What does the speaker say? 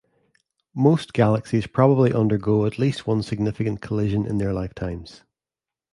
Most galaxies probably undergo at least one significant collision in their lifetimes.